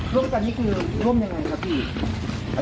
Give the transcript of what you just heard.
ร่วมกันนี่คือร่วมยังไงครับพี่